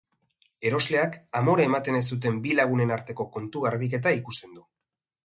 Erosleak amore ematen ez duten bi lagunen arteko kontu garbiketa ikusten du.